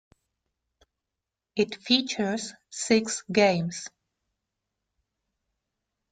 It features six games.